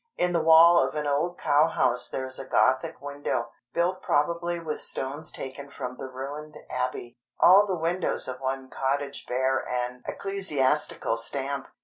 In the wall of an old cow house there is a Gothic window, built probably with stones taken from the ruined Abbey; all the windows of one cottage bear an ecclesiastical stamp.